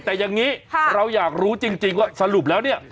แต่อย่างนี้เราอยากรู้จริงว่าสรุปแล้วเนี่ย